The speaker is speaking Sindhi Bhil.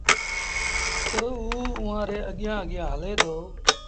تا اوٚ اُئآݩٚ ري اڳيآنٚ اڳيآنٚ هلي دو